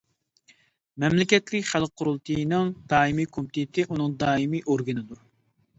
مەملىكەتلىك خەلق قۇرۇلتىيىنىڭ دائىمىي كومىتېتى ئۇنىڭ دائىمىي ئورگىنىدۇر.